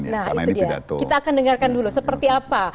nah itu dia kita akan dengarkan dulu seperti apa